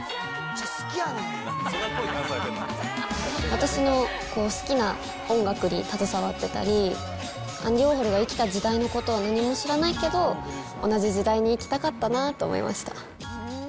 私の好きな音楽に携わってたり、アンディ・ウォーホルが生きた時代のことを何も知らないけど、同じ時代に生きたかったなと思いました。